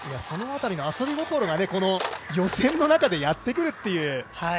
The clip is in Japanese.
その辺りの遊び心が予選の中でやってくるという。